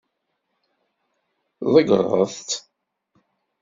Tḍeggṛeḍ-tt?